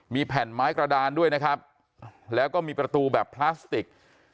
มีแผ่นไม้กระดานด้วยนะครับแล้วก็มีประตูแบบพลาสติก